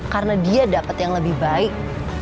karena dia dapet yang lebih baik